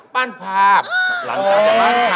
๙โมงเช้า